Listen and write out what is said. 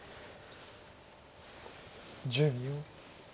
１０秒。